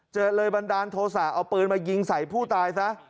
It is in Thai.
เลยบันดาลโทษะเอาปืนมายิงใส่ผู้ตายซะ